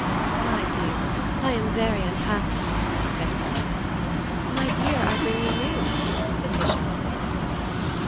"My dear, I am very unhappy!" said Clara. "My dear, I bring you news," Laetitia replied.